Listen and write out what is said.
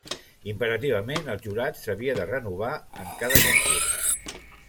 Imperativament el jurat s’havia de renovar en cada concurs.